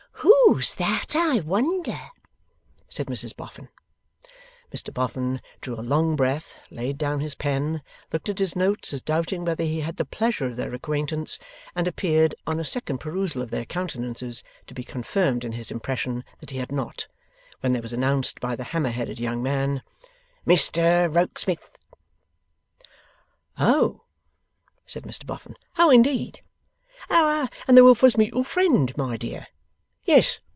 'Who's that, I wonder!' said Mrs Boffin. Mr Boffin drew a long breath, laid down his pen, looked at his notes as doubting whether he had the pleasure of their acquaintance, and appeared, on a second perusal of their countenances, to be confirmed in his impression that he had not, when there was announced by the hammer headed young man: 'Mr Rokesmith.' 'Oh!' said Mr Boffin. 'Oh indeed! Our and the Wilfers' Mutual Friend, my dear. Yes.